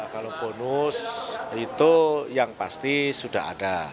kalau bonus itu yang pasti sudah ada